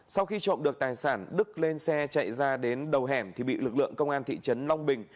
sau khi trộm được tài sản đức lên xe chạy ra đến đầu hẻm thì bị lực lượng công an thị trấn long bình